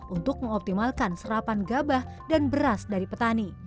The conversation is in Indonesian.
untuk mengoptimalkan serapan gabah dan beras dari petani